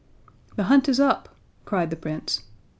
"The hunt is up!" cried the Prince.